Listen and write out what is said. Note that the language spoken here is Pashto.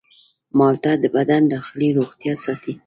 مالټه د بدن داخلي روغتیا ساتي.